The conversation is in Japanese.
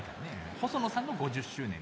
細野さんの５０周年ですから。